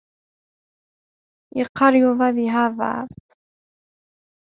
Yeqqar Yuba deg Harvard.